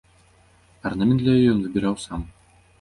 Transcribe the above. Арнамент для яе ён выбіраў сам.